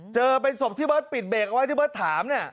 เจอเป็นศพที่เบิร์ตปิดเบรกเอาไว้ที่เบิร์ตถามเนี่ย